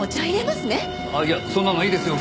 ああいやそんなのいいですよ